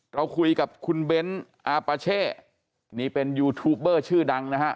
เราคุยกับคุณเบ้นอาปาเช่นี่เป็นยูทูปเบอร์ชื่อดังนะฮะ